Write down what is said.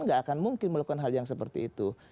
nggak akan mungkin melakukan hal yang seperti itu